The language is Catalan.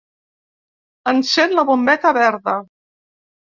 Encén la bombeta verda.